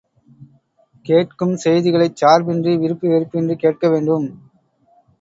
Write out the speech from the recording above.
கேட்கும் செய்திகளைச் சார்பின்றி விருப்பு வெறுப்பின்றிக் கேட்க வேண்டும்.